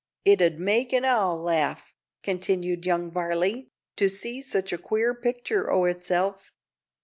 "It 'ud make an owl laugh," continued young Varley, "to see such a queer pictur' o' itself."